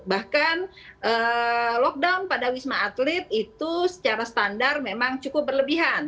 bahkan lockdown pada wisma atlet itu secara standar memang cukup berlebihan